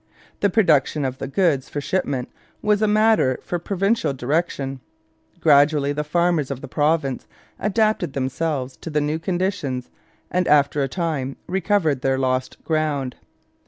The production of the goods for shipment was a matter for provincial direction. Gradually the farmers of the province adapted themselves to the new conditions and after a time recovered their lost ground.